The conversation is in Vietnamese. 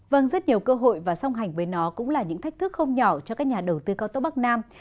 vâng rất nhiều cơ hội và song hành với nó cũng là những thách thức không nhỏ cho các nhà đầu tư cao tốc bắc nam